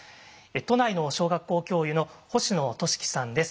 都内の小学校教諭の星野俊樹さんです。